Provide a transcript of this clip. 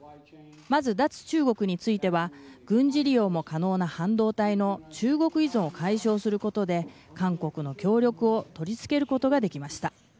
まず、脱中国については軍事利用も可能な半導体の中国依存を解消することで韓国の協力を取り付けることができました。